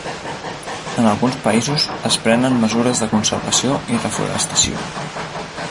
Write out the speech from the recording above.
En alguns països es prenen mesures de conservació i reforestació.